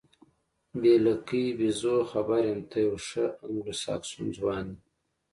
بې لکۍ بیزو، خبر یم، ته یو ښه انګلوساکسون ځوان یې.